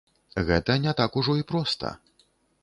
Гэта не так ужо і проста.